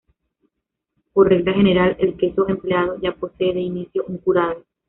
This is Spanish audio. Por regla general el queso empleado ya posee de inicio un curado.